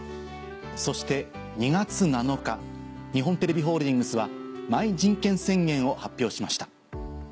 そして２月７日日本テレビホールディングスはＭｙじんけん宣言を発表しました。